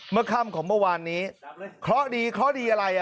ค่ำของเมื่อวานนี้เคราะห์ดีเคราะห์ดีอะไรอ่ะ